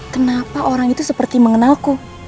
kenapa orang itu seperti mengenalku